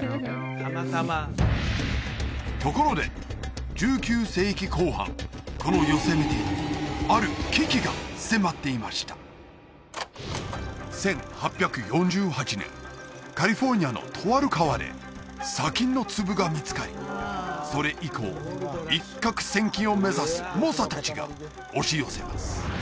たまたまところで１９世紀後半このヨセミテにある危機が迫っていましたカリフォルニアのとある川で砂金の粒が見つかりそれ以降一獲千金を目指す猛者達が押し寄せます